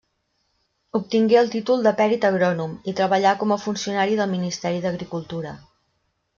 Obtingué el títol de perit agrònom i treballà com a funcionari del Ministeri d'Agricultura.